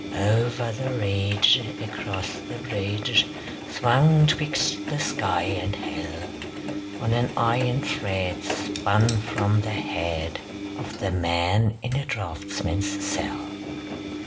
Over the ridge, Across the bridge, Swung twixt the sky and hell, On an iron thread Spun from the head Of the man in a draughtsman's cell.